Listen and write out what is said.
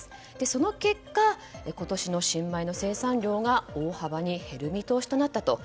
その結果、今年の新米の生産量が大幅に減る見通しとなったと。